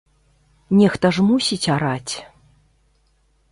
Нехта ж мусіць араць.